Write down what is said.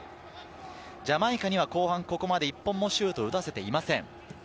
ジャマイカには後半ここまで１本もシュートを打たせていません。